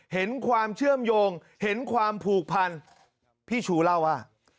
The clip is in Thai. เห็นความเชื่อมโยงเห็นความผูกพันพี่ชูเล่าว่า